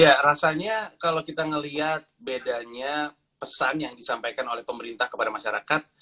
ya rasanya kalau kita melihat bedanya pesan yang disampaikan oleh pemerintah kepada masyarakat